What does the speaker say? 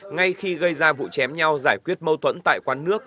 ngay khi gây ra vụ chém nhau giải quyết mâu thuẫn tại quán nước